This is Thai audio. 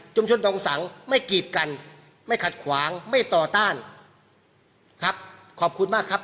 ชนทองสังไม่กีดกันไม่ขัดขวางไม่ต่อต้านครับขอบคุณมากครับ